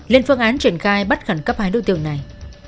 lên phương án triển khai bắt khẩn cấp hai đối tượng này